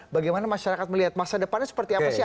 bagaimana masyarakat melihat masa depannya seperti apa sih